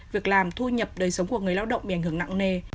việc làm thu nhập đời sống của người lao động bị ảnh hưởng nặng nề